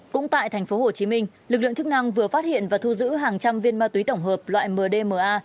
cũng tại tp hcm lực lượng chức năng vừa phát hiện và thu giữ hàng trăm viên ma túy tổng hợp loại mdma